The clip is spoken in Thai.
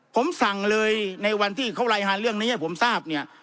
ผมสั่งเลยในวันที่เขารายงานเรื่องนี้ให้ผมทราบเนี่ย